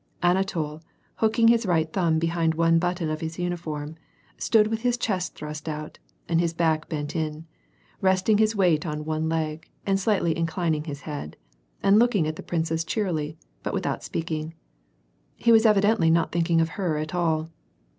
Anatol, hooking his right thumb behind one button of his uniform, stood with his chest thrust out, and his back bent in, resting his weight on one leg, and slightly inclining his head, and looked at the princess cheerily, but without speaking. He was evidently not thinking of her at all.